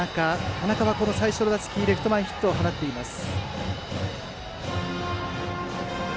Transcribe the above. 田中は最初の打席でレフト前ヒットを放っています。